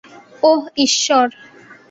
ওহ, ঈশ্বর।